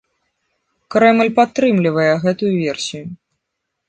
Крэмль падтрымлівае гэтую версію.